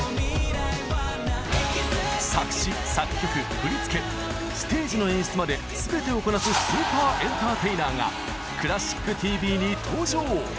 作詞作曲振り付けステージの演出まで全てをこなすスーパーエンターテイナーが「クラシックＴＶ」に登場！